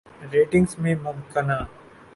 rating میں ممکنہ